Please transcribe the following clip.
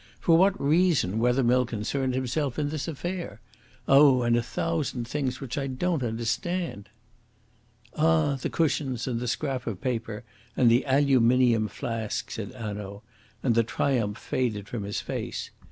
For what reason Wethermill concerned himself in this affair? Oh! and a thousand things which I don't understand." "Ah, the cushions, and the scrap of paper, and the aluminium flask," said Hanaud; and the triumph faded from his face.